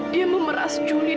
dia memeras juli